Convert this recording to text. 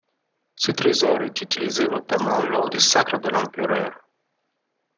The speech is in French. Ce trésor est utilisé notamment lors du sacre de l'empereur.